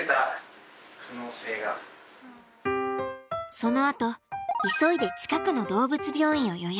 そのあと急いで近くの動物病院を予約。